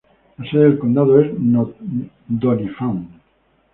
La sede del condado es Doniphan.